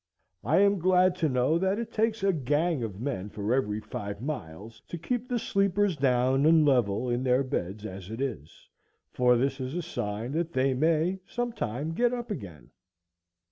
I am glad to know that it takes a gang of men for every five miles to keep the sleepers down and level in their beds as it is, for this is a sign that they may sometime get up again.